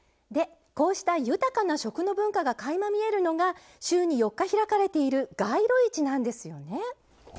こうした豊かな食の文化がかいま見えるのが週に４日開かれている街路市なんですよね。